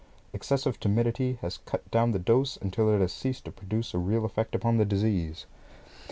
Excessive timidity has cut down the dose until it has ceased to produce a real effect upon the disease.